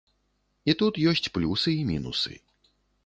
І тут ёсць плюсы і мінусы.